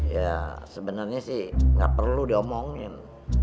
ya sebenarnya sih nggak perlu diomongin